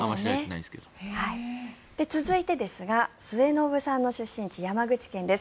続いては末延さんの出身地山口県です。